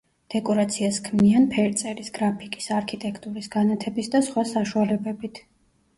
დეკორაციას ქმნიან ფერწერის, გრაფიკის, არქიტექტურის, განათების და სხვა საშუალებებით.